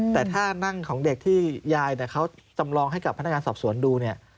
แต่ถ้านั่งของเด็กที่ยายเขาจำลองให้กับพนักงานสอบสวนดูเนี่ย